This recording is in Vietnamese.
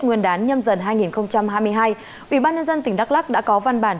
nguyên đán nhâm dần hai nghìn hai mươi hai ủy ban nhân dân tỉnh đắk lắc đã có văn bản